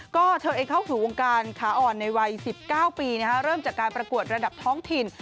ก็เธอเองเข้าสู่วงการขาอ่อนในวัย๑๙ปีเริ่มจากการประกวดระดับท้องถิ่น